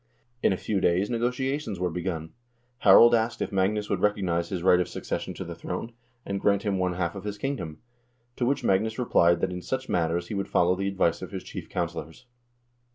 In a few days negotiations were begun. Harald asked if Magnus would recognize his right of succession to the throne, and grant him one half of his kingdom ; to which Magnus replied that in such matters he would follow the advice of his chief counselors.